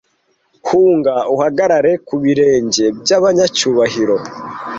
hunga uhagarare ku birenge by'abanyacyubahiro